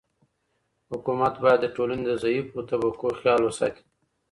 حکومت باید د ټولني د ضعیفو طبقو خیال وساتي.